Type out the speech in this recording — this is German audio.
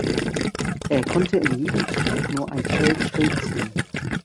Er konnte in jedem Zug nur ein Feld schräg ziehen.